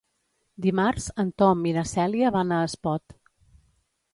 Dimarts en Tom i na Cèlia van a Espot.